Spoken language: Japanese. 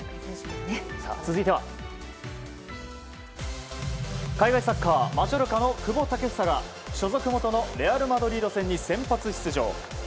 続いては海外サッカーマジョルカの久保建英が所属元のレアル・マドリード戦に先発出場。